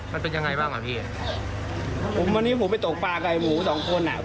มันเป็นยังไงบ้างอ่ะพี่ผมวันนี้ผมไปตกปลาไก่หมูสองคนอ่ะ